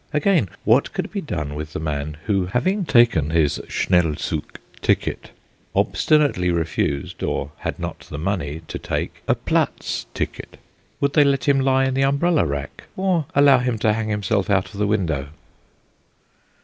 Again, what could be done with the man who, having taken his schnellzug ticket, obstinately refused, or had not the money to take a platz ticket: would they let him lie in the umbrella rack, or allow him to hang himself out of the window?